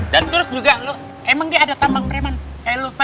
dan terus juga emang dia ada tampang reman kayak lo pada